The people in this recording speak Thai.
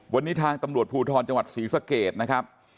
วันนี้ทางตำรวจภูทรจังหวัดศรีสะเกดนะครับ